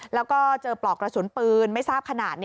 แล้วก็เจอปลอกกระสุนปืนไม่ทราบขนาด